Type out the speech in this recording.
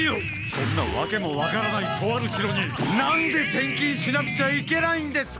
そんなわけも分からないとある城に何で転勤しなくちゃいけないんですか！？